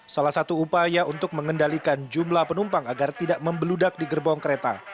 salah satu upaya untuk mengendalikan jumlah penumpang agar tidak membeludak di gerbong kereta